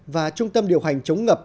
và trung tâm điều hành chống ngập